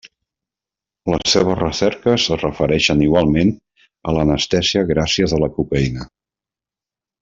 Les seves recerques es refereixen igualment a l'anestèsia gràcies a la cocaïna.